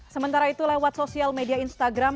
sementara itu lewat sosial media instagram